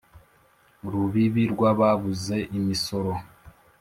Rubibi rw' ababuze imisoro ;